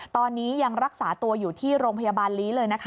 ตอนนี้ยังรักษาตัวอยู่ที่โรงพยาบาลลีเลยนะคะ